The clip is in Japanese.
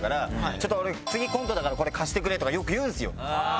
「ちょっと俺次コントだからこれ貸してくれ」とかよく言うんですよ。